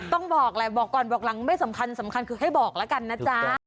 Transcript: ต้องบอกแหละบอกก่อนบอกหลังไม่สำคัญสำคัญคือให้บอกแล้วกันนะจ๊ะ